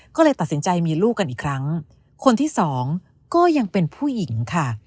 ก็เลยตัดสินใจมีลูกกันอีกครั้งคนที่สองก็ยังเป็นผู้หญิงค่ะ